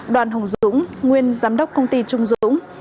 đoàn hùng dũng nguyên giám đốc công ty trung dũng